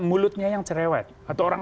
mulutnya yang cerewet atau orang